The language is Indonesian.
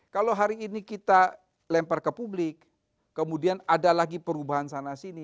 kalau hari ini kita lempar ke publik kemudian ada lagi perubahan sana sini